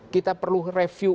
kita perlu review ulang